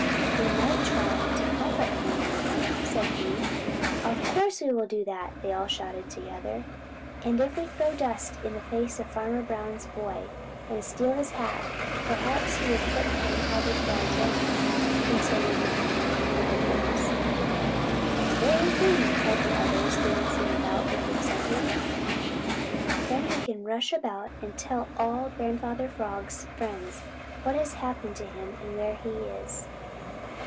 "We might try to comfort him a little," said he. "Of course we will do that!" they shouted all together. "And if we throw dust in the face of Farmer Brown's boy and steal his hat, perhaps he will put Grandfather Frog down," continued the Merry Little Breeze. "The very thing!" the others cried, dancing about with excitement. "Then we can rush about and tell all Grandfather Frog's friends what has happened to him and where he is.